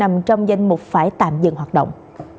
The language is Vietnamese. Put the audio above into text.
sẽ phải tạm dừng hoạt động